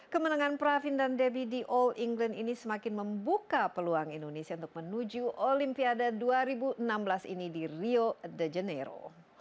kemenangan pravin dan debbie di all england ini semakin membuka peluang indonesia untuk menuju olimpiade dua ribu enam belas ini di rio de janeiro